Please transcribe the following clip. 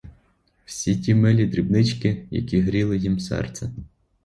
Всі ті милі дрібнички, які гріли їм серце.